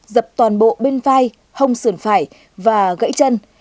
dập toàn bộ bên vai hông sườn phải và gãy chân